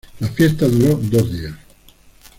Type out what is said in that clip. La fiesta dura dos días.